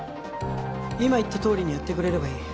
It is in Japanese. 今言ったとおりにやってくれればいい